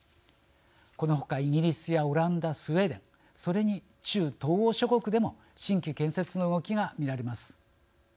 この他、イギリスやオランダスウェーデンそれに中東欧諸国でも新規建設の動きが見られます。